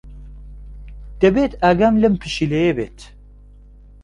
دەبێت ئاگام لەم پشیلەیە بێت.